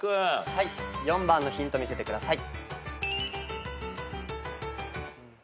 はい４番のヒント見せてください。